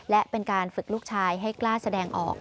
และเป็นการฝึกลูกชายให้กล้าแสดงออก